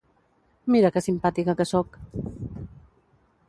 Mira que simpàtica que soc!